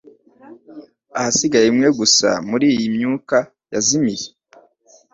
ahasigaye imwe gusa muriyi myuka yazimiye